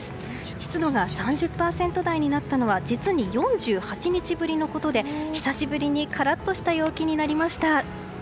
湿度が３０％台になったのは実に４８日ぶりのことで久しぶりにカラッとした陽気になりました。